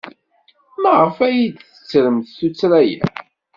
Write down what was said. Maɣef ay d-tettrem tuttra-a?